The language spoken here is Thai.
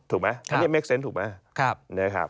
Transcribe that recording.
ถูกไหมนั่นยังเมคเซนต์ถูกไหม